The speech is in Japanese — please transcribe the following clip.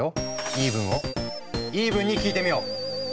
言い分をイーブンに聞いてみよう。